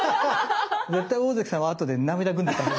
絶対大関さんはあとで涙ぐんでた。